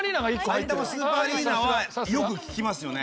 さいたまスーパーアリーナはよく聞きますよね。